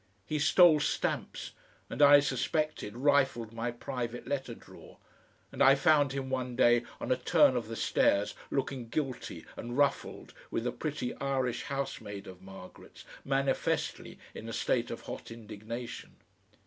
He stole stamps, and, I suspected, rifled my private letter drawer, and I found him one day on a turn of the stairs looking guilty and ruffled with a pretty Irish housemaid of Margaret's manifestly in a state of hot indignation.